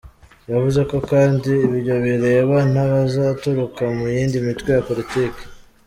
Yavuze ko kandi ibyo bireba n’abazaturuka mu yindi mitwe ya politiki.